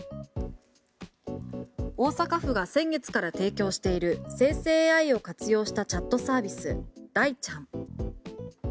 大阪府が先月から提供している生成ＡＩを活用したチャットサービス、大ちゃん。